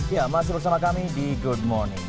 ya masih bersama kami di good morning